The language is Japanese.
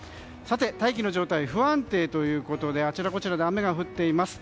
大気の状態が不安定ということであちらこちらで雨が降っています。